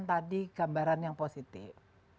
tadi gambaran yang positif